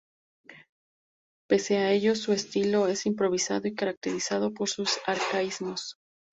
Pese a ello, su estilo es improvisado y caracterizado por sus arcaísmos.